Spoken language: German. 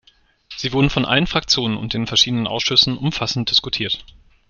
Sie wurden von allen Fraktionen und den verschiedenen Ausschüssen umfassend diskutiert.